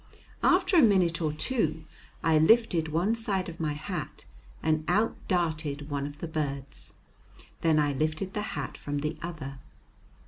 After a minute or two I lifted one side of my hat and out darted one of the birds; then I lifted the hat from the other.